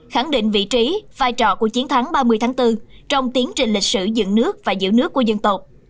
khẳng định vị trí vai trò của chiến thắng ba mươi tháng bốn trong tiến trình lịch sử dựng nước và giữ nước của dân tộc